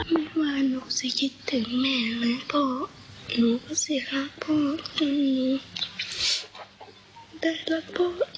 ไม่ว่านุกจะคิดถึงแม่หรือพ่อ